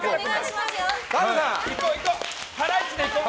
ハライチでいこう！